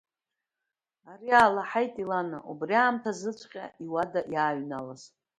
Ари аалаҳаит Елана, убри аамҭазыҵәҟьа иуада иааҩналаз.